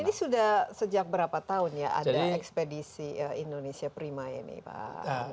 ini sudah sejak berapa tahun ya ada ekspedisi indonesia prima ini pak